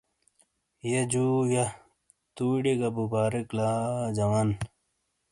یہہ جُو یہہ، تُوئی ڑے گہ بُبارک لا جوان۔۔